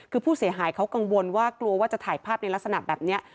คือผู้เสียหายเขากังวลว่ากลัวว่าจะถ่ายภาพในลักษณะแบบนี้